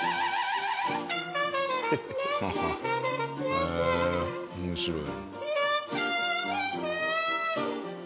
へえ面白い。